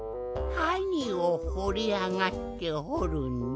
はにをほりあがってほるんじゃ？